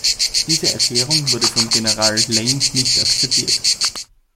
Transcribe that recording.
Diese Erklärung wurde von General Lane nicht akzeptiert.